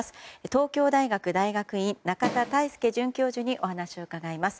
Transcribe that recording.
東京大学大学院仲田泰祐准教授にお話を伺います。